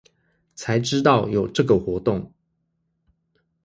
才知道有這個活動